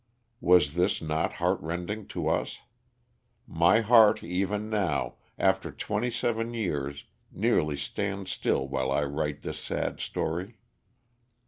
Was this not heart rending to us? My heart, even now, after twenty seven years, nearly stands still while I write this sad story.